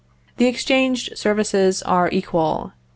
The exchanged services are equal.